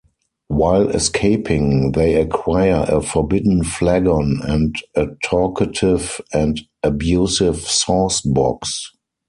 While escaping, they acquire a Forbidden Flagon and a talkative and abusive Sauce Box.